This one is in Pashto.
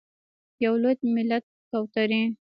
یو لوی ملت کوترې…